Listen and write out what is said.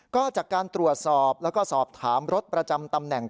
ก็จากการตรวจสอบแล้วก็สอบถามรถประจำตำแหน่ง